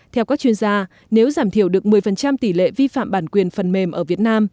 theo các chuyên gia nếu giảm thiểu được một mươi tỷ lệ vi phạm bản quyền phần mềm ở việt nam